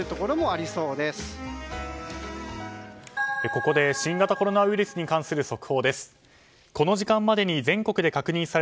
ここで、新型コロナウイルスに関する速報です。